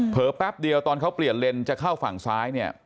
แป๊บเดียวตอนเขาเปลี่ยนเลนจะเข้าฝั่งซ้ายเนี่ย